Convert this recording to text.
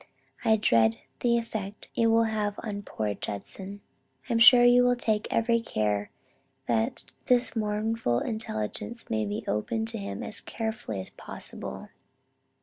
I dread the effect it will have on poor Judson. I am sure you will take every care that this mournful intelligence may be opened to him as carefully as possible."